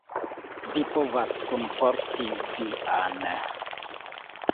Vi povas kunporti vian.